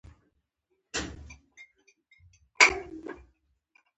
په مخکنیو ډبو کې د یوې بار وړونکې ډبې له پاسه.